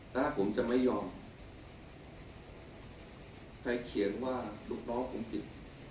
ถ้าผมจะไม่ยอมใครเขียนว่าลูกน้องผมผิด